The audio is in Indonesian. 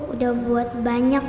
udah buat banyak